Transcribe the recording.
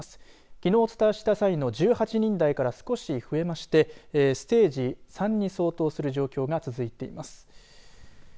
きのうお伝えした際の１８人台から少し増えましてステージ３に相当する状況が続いています。